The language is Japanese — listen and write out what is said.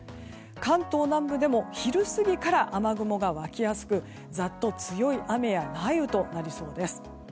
関東南部でも昼過ぎから雨雲が湧きやすくザッと強い雨や雷雨となりそうです。